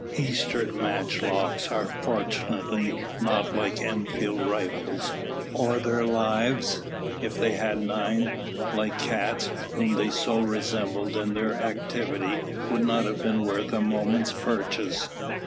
Eastern matchlocks are fortunately not like Enfield rifles; or their lives, if they had had nine, like cats, whom they so resembled in their activity, would not have been worth a moment's purchase.